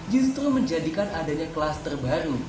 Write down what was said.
justru menjadikan adanya kelas terbaru